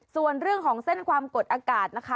ส่วนเรื่องของเส้นความกดอากาศนะคะ